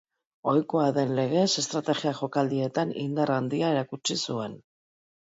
Ohikoa den legez, estrategia jokaldietan indar handia erakutsi zuen.